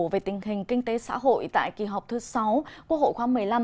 về tình hình kinh tế xã hội tại kỳ họp thứ sáu quốc hội khóa một mươi năm